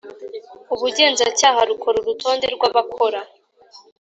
Ubugenzacyaha rukora urutonde rw abakora